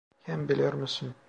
Hem biliyor musun…